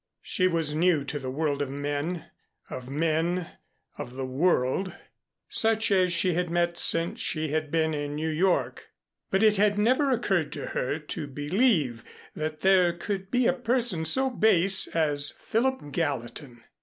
She was new to the world of men, of men of the world, such as she had met since she had been in New York, but it had never occurred to her to believe that there could be a person so base as Philip Gallatin.